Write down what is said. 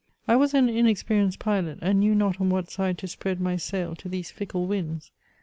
I was an inexperienced pilot, and knew not on what side to spread my sail to these fiekle winds.